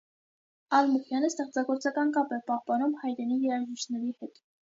Ալմուխյանը ստեղծագործական կապ է պահպանում հայրենի երաժիշտների հետ։